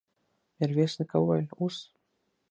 ميرويس نيکه وويل: اوس!